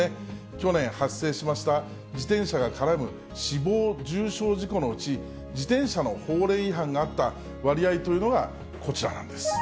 去年発生しました、自転車が絡む死亡・重傷事故のうち、自転車の法令違反があった割合というのがこちらなんです。